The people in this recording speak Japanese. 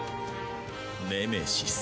ネメシス。